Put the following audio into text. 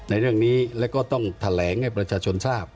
ในเรื่องนี้แล้วก็ต้องแถลงให้ประชาชนทราบ